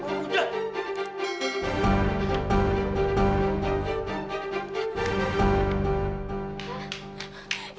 aku mau kuncin